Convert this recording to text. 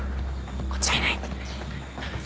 こっちはいない。